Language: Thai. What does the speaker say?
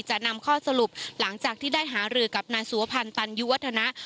จะนำข้อสรุปหลังจากที่ได้หารือกับนายสุวพันธ์ตันยุวัฒนะ